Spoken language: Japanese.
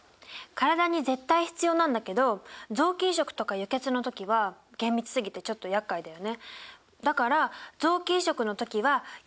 体に絶対必要なんだけど臓器移植とか輸血の時は厳密すぎてちょっとやっかいだよね。